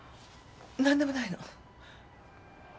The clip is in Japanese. なんでもないの。